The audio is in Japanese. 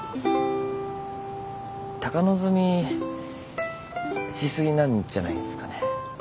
高望みし過ぎなんじゃないんすかね。